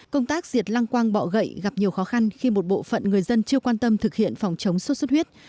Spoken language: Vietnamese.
công tác diệt loang quăng bọ gậy gặp nhiều khó khăn khi một bộ phận người dân chưa quan tâm thực hiện phòng chống xuất xuất huyết